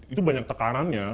itu banyak tekanannya